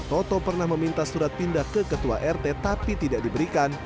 toto pernah meminta surat pindah ke ketua rt tapi tidak diberikan